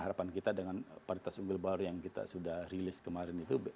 harapan kita dengan paritas unggul baru yang kita sudah rilis kemarin itu